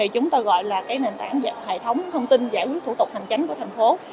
chúng tôi gọi là nền tảng hệ thống thông tin giải quyết thủ tục hành chính của thành phố